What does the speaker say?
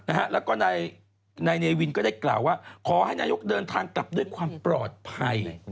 แล้วก็นายเนวินก็ได้กล่าวว่าขอให้นายกเดินทางกลับด้วยความปลอดภัย